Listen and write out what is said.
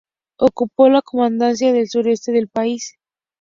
Ocupó la comandancia del sureste de su país.